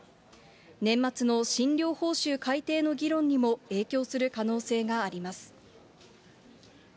年末の診療報酬改定の議論にも影響する可能性があります。